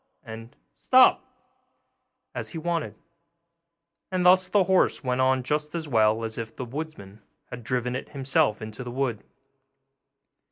and 'Stop!' as he wanted: and thus the horse went on just as well as if the woodman had driven it himself into the wood.